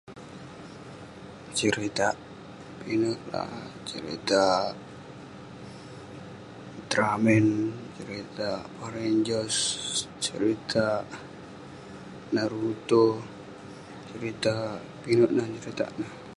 Seritak pinek lah. Seritak Ultramen, seritak Power Rangers, Seritak Naruto, seritak pinek nan seritak neh.